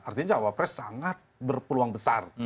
artinya cawapres sangat berpeluang besar